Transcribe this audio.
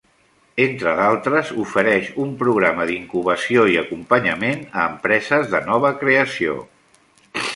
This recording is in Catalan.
Entre d'altres, ofereix un programa d'incubació i acompanyament a empreses de nova creació.